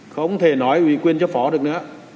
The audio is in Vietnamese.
không thể nói ủy quyền cho phỏ được nữa